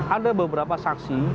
ada beberapa saksi